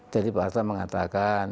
jadi pak harto mengatakan